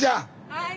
はい！